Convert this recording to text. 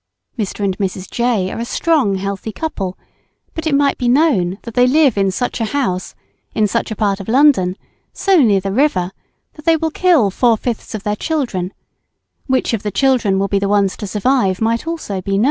Mr. and Mrs. J. are a strong healthy couple, but it might be known that they live in such a house, in such a part of London, so near the river that they will kill four fifths of their children; which of the children will be the ones to survive might also be known.